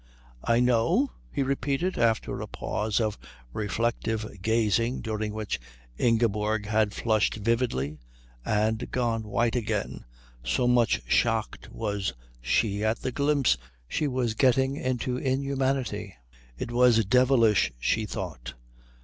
"I know?" he repeated, after a pause of reflective gazing during which Ingeborg had flushed vividly and gone white again, so much shocked was she at the glimpse she was getting into inhumanity. It was devilish, she thought.